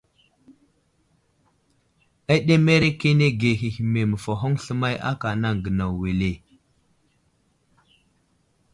Aɗemerekenege hehme məfahoŋ sləmay aka anaŋ gənaw wele ?